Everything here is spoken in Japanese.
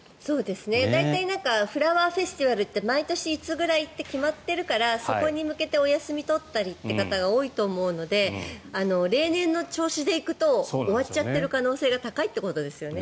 大体フラワーフェスティバルって毎年いつぐらいって決まってるからそこに向けてお休み取ったりという方が多いと思うので例年の調子で行くと終わっちゃっている可能性が高いということですよね。